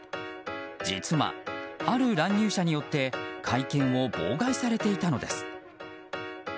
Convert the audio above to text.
実は、ある乱入者によって会見を妨害されていたのです。